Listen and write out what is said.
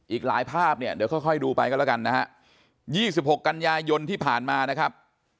อีกหลายภาพเดี๋ยวค่อยดูไปก็แล้วกันนะ๒๖กยที่ผ่านมานะครับ